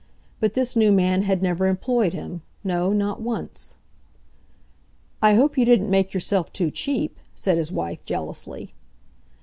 But this new man had never employed him—no, not once. "I hope you didn't make yourself too cheap?" said his wife jealously.